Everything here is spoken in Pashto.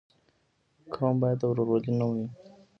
قوم باید د ورورولۍ نوم وي.